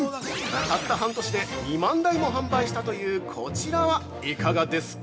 たった半年で２万台も販売したというこちらはいかがですか？